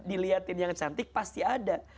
dilihatin yang cantik pasti ada